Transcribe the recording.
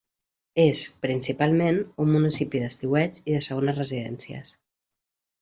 És, principalment, un municipi d'estiueig i de segones residències.